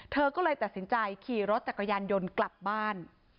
เธอก็เลยตัดสินใจขี่รถจักรยานยนต์กลับบ้าน